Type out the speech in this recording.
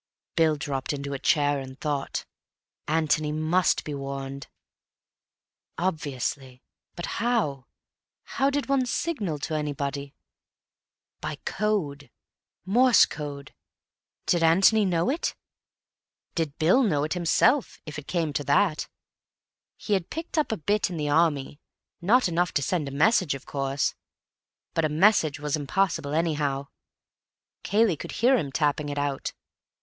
Bill dropped into a chair and thought. Antony must be warned. Obviously. But how? How did one signal to anybody? By code. Morse code. Did Antony know it? Did Bill know it himself, if it came to that? He had picked up a bit in the Army—not enough to send a message, of course. But a message was impossible, anyhow; Cayley would hear him tapping it out.